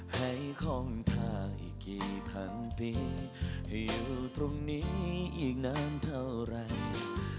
ให้ของไทยกี่พันปีให้อยู่ตรงนี้อีกนานเท่าไร